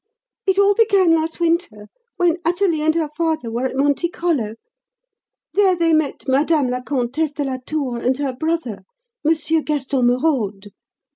It all began last winter, when Athalie and her father were at Monte Carlo. There they met Madame la Comtesse de la Tour and her brother, Monsieur Gaston Merode.